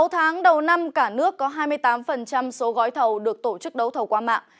sáu tháng đầu năm cả nước có hai mươi tám số gói thầu được tổ chức đấu thầu qua mạng